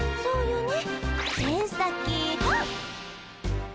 そうよね